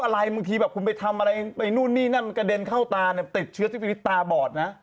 ระวังเวลามันกระเด็นเข้าตานะคุณจะตาบอดนะ